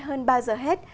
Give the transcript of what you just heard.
hơn bao giờ hết